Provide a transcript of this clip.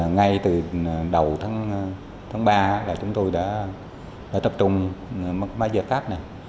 ngay từ đầu tháng ba chúng tôi đã tập trung mất mái giải pháp